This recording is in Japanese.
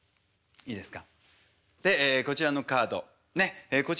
いいですか？